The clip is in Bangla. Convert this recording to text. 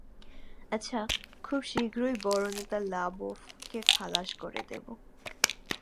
আচ্ছা, খুব শীঘ্রই বড়ো নেতা লা বোফ কে খালাশ করে দেবো।